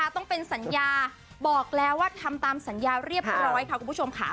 ต้องเป็นสัญญาบอกแล้วว่าทำตามสัญญาเรียบร้อยค่ะคุณผู้ชมค่ะ